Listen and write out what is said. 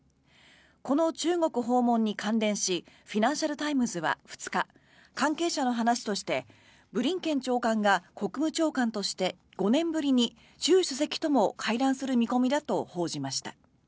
この中国訪問に関連しフィナンシャル・タイムズは２日関係者の話としてブリンケン長官が国務長官として５年ぶりに習主席とも会談する見込みだと報じました。